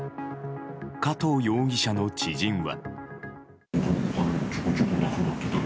加藤容疑者の知人は。